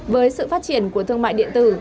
với sự phát triển của thương mại điện tử